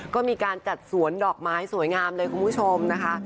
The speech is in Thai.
ก็มีการจัดสวนดอกไม้สวยงามเลยคุณผู้ชมนะคะ